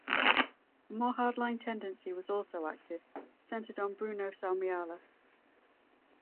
A more hard-line tendency was also active, centred on Bruno Salmiala.